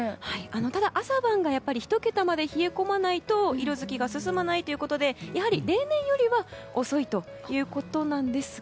ただ朝晩がやっぱり１桁まで冷え込まないと色づきが進まないということで例年よりは遅いということなんですが。